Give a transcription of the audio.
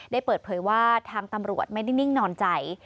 ได้เปิดเผยว่าทางตำรวจไม่ได้นิ่งนอนใจ